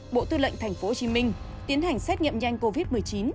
bộ tư lệnh thành phố hồ chí minh tiến hành xét nghiệm nhanh covid một mươi chín